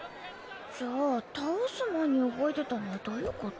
じゃあ倒す前に動いてたのはどゆこと？